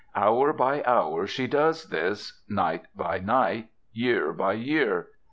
Hour by hour she does this, night by night, year by year.